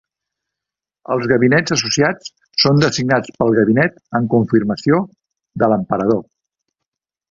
Els gabinets associats són designats pel Gabinet en confirmació de l'Emperador.